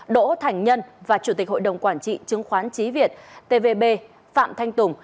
đỗ thành nhân và chủ tịch hội đồng quản trị chứng khoán trí việt tvb phạm thanh tùng